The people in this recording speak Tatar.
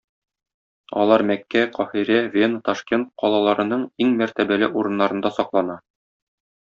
Алар Мәккә, Каһирә, Вена, Ташкент калаларының иң мәртәбәле урыннарында саклана.